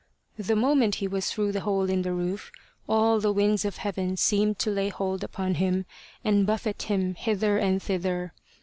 The moment he was through the hole in the roof, all the winds of heaven seemed to lay hold upon him, and buffet him hither and thither.